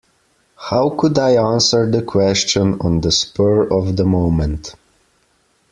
How could I answer the question on the spur of the moment.